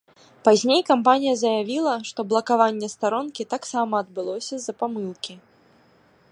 Пазней кампанія заявіла, што блакаванне старонкі таксама адбылося з-за памылкі.